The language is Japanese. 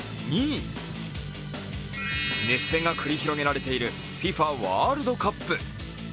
熱戦が繰り広げられているＦＩＦＡワールドカップ。